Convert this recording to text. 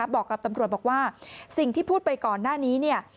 บอกกับตำรวจบอกว่าสิ่งที่พูดไปก่อนหน้านี้เนี่ย